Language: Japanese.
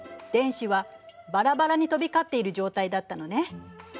電子はバラバラに飛び交っている状態だったのね。